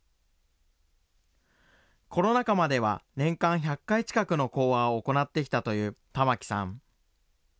コロナ禍までは年間１００回近くの講話を行ってきたという玉木さん。